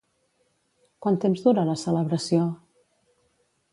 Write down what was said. Quant temps dura la celebració?